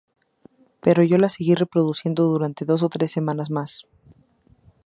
Pero yo la seguí reproduciendo durante dos o tres semanas más.